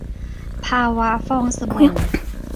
ภาวะฟองสบู่